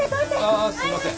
あっすいません。